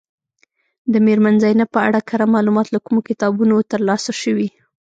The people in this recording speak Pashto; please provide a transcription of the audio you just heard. د میرمن زینب په اړه کره معلومات له کومو کتابونو ترلاسه شوي.